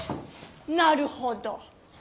なるほど！